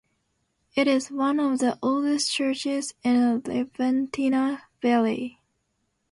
It is one of the oldest churches in the Levantina valley.